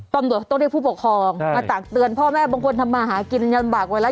ต้องได้ผู้ปกครองมาต่างเตือนพ่อแม่บางคนทำมาหากินยันบากไว้แล้ว